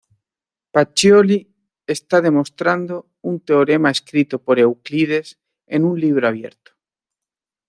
Pacioli está demostrando un teorema escrito por Euclides en un libro abierto.